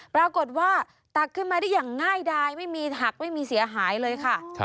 ปรากฏว่าตักขึ้นมาได้อย่างง่ายดายไม่มีหักไม่มีเสียหายเลยค่ะ